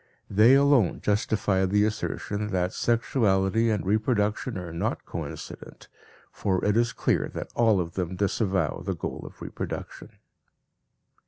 They alone justify the assertion that sexuality and reproduction are not coincident, for it is clear that all of them disavow the goal of reproduction.